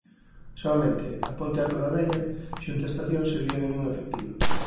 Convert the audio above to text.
Soamente a "Ponte Arco da Vella" xunto a estación servía de unión efectiva.